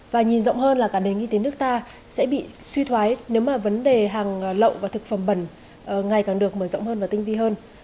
thì nước ta sẽ bị suy thoái nếu mà vấn đề hàng lậu và thực phẩm bẩn ngày càng được mở rộng hơn và tinh vi hơn